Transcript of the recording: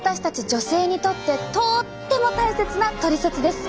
女性にとってとっても大切なトリセツです。